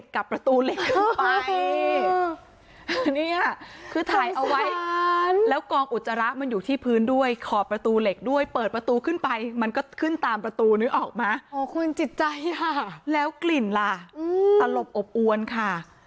ขอบคุณจิตใจแล้วกลิ่นล่ะตลบอบอ้วนค่ะ